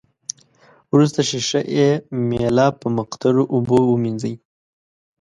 وروسته ښيښه یي میله په مقطرو اوبو ومینځئ.